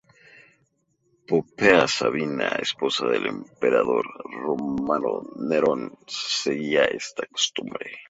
Popea Sabina, esposa del emperador romano Nerón, seguía esta costumbre.